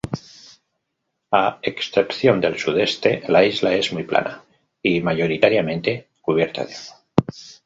A excepción del sudeste, la isla es muy plana y mayoritariamente cubierta de agua.